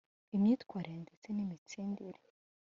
imyitwarire ndetse n’imitsindire